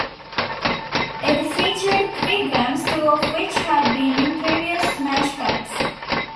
It featured three games, two of which had been in previous Smash Packs.